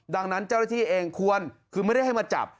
ดังนั้นเจ้าหน้าที่เองควรคือไม่ได้ให้มาจับ